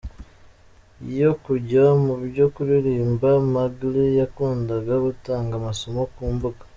yo kujya mu byo kuririmba, Magaly yakundaga gutanga amasomo ku mbuga